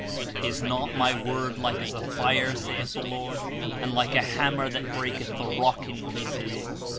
Is not My PVord like as a fire? saith the Lord; and like a hammer that breaketh the rock in pieces?